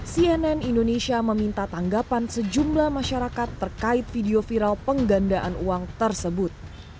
cnn indonesia meminta tanggapan sejumlah masyarakat terkait video viral penggandaan uang tersebut